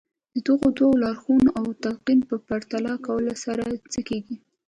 د دغو دوو لارښوونو او تلقين په پرتله کولو سره يو څه کېږي.